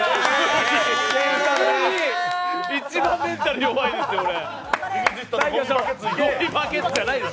一番メンタル弱いですよ、俺！